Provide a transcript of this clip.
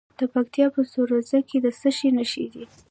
د پکتیکا په سروضه کې د څه شي نښې دي؟